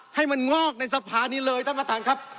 ให้มันงอกในสภานี้เลยท่านประธานครับ